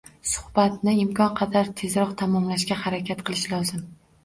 Suhbatni imkon qadar tezroq tamomlashga harakat qilish lozim.